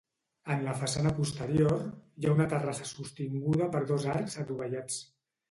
En la façana posterior, hi ha una terrassa sostinguda per dos arcs adovellats.